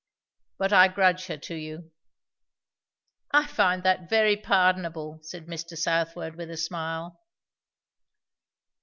But I grudge her to you!" "I find that very pardonable," said Mr. Southwode with a smile.